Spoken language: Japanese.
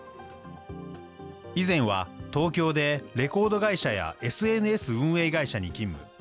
以前は東京でレコード会社やＳＮＳ運営会社に勤務。